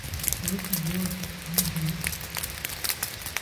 He served the ward for ten years.